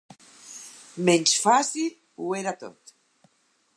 Menys fàcil, ho era tot.